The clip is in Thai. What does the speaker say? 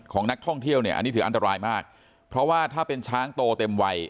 ของนักท่องเที่ยวเนี่ยอันนี้ถืออันตรายมากเพราะว่าถ้าเป็นช้างโตเต็มวัย